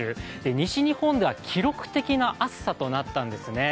西日本では記録的な暑さとなったんですね。